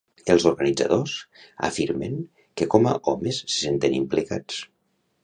Els organitzadors afirmen que com a homes se senten implicats.